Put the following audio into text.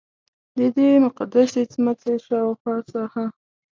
ددې مقدسې څمڅې شاوخوا ساحه.